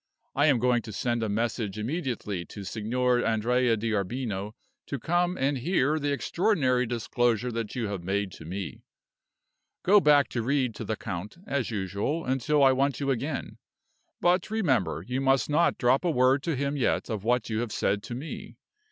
I am going to send a message immediately to Signor Andrea D'Arbino to come and hear the extraordinary disclosure that you have made to me. Go back to read to the count, as usual, until I want you again; but, remember, you must not drop a word to him yet of what you have said to me.